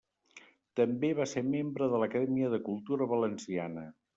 També va ser membre de l'Acadèmia de Cultura Valenciana.